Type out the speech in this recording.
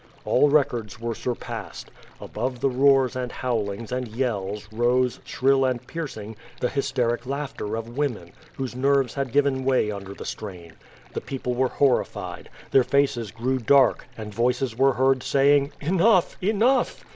All records were sur passed. Above the roars and bowlings and yells, rose, shrill and piercing, the hysteric laughter of women, whose nerves had given way under the strain. The people were horrified; their faces grew dark, and voices were heard saying: ^Tilnough! Enough!"